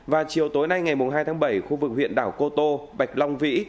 vào chiều tối nay ngày hai tháng bảy khu vực huyện đảo cô tô bạch long vĩ